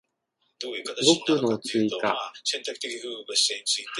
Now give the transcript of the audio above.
語句の追加